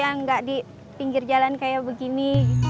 yang tidak di pinggir jalan seperti ini